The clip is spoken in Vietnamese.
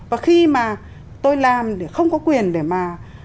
và khi mà tôi làm thì không có quyền để mà